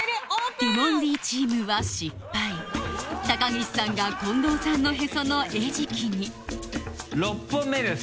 ティモンディチームは失敗高岸さんが近藤さんのへその餌食に６本目です。